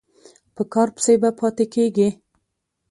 په کار پسې به پاتې کېږې.